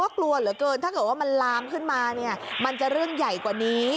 กลัวเหลือเกินถ้าเกิดว่ามันลามขึ้นมาเนี่ยมันจะเรื่องใหญ่กว่านี้